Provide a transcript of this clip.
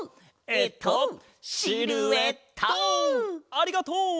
ありがとう！